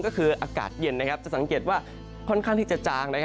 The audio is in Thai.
ก็คืออากาศเย็นจะสังเกตว่าค่อนข้างที่จะจาง